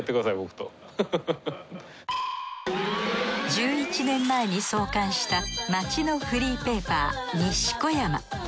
１１年前に創刊した街のフリーペーパー『２４５８０』。